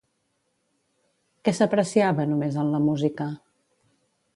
Què s'apreciava només en la música?